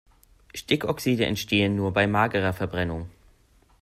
Stickoxide entstehen nur bei magerer Verbrennung.